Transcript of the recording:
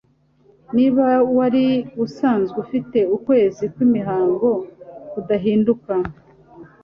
Niba wari usanzwe ufite ukwezi kw'imihango kudahinduka